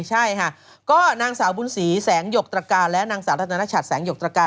ใช่ค่ะก็นางสาวบุญศรีแสงหยกตรการและนางสาวรัตนชัดแสงหยกตรการ